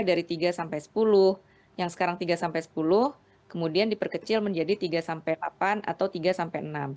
dari tiga sampai sepuluh yang sekarang tiga sampai sepuluh kemudian diperkecil menjadi tiga sampai delapan atau tiga sampai enam